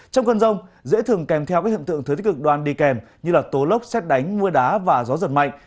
trong cơn rông dễ thường kèm theo các hệ thượng thứ tích cực đoan đi kèm như tố lốc xét đánh mưa đá và gió giật mạnh